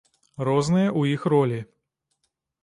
Розныя ў іх ролі.